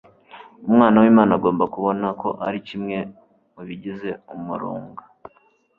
Umwana w'Imana agomba kubona ko ari kimwe mu bigize umurunga